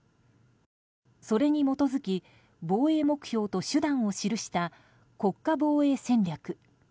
それに基づき防衛目標と手段を記した国家防衛戦略。